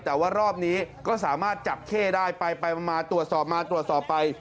แต่ว่ารอบนี้ก็สามารถจับเข้ได้ไปมาตรวจสอบมาตรวจสอบไป